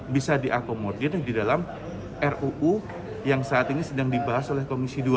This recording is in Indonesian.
bisa diakomodir di dalam ruu yang saat ini sedang dibahas oleh komisi dua